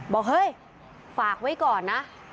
บอกเฮ้ยฝากไว้ก่อนนะ